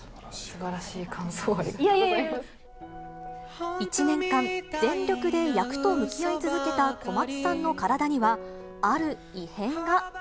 すばらしい感想をありがとう１年間、全力で役と向き合い続けた小松さんの体には、ある異変が。